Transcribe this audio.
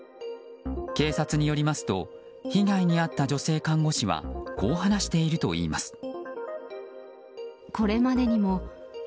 警察によりますと被害に遭った女性看護師はこう話しているといいます。